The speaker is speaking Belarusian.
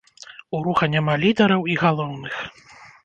У руха няма лідараў і галоўных.